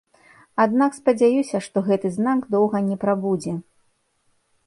Аднак спадзяюся, што гэты знак доўга не прабудзе.